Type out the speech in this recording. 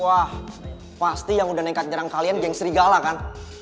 wah pasti yang udah nekat nyerang kalian geng serigala kan